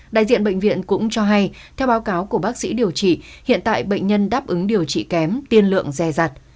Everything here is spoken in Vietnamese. đại diện bệnh viện cũng cho hay theo báo cáo của bác sĩ điều trị hiện tại bệnh nhân đáp ứng điều trị kém tiên lượng dè rặt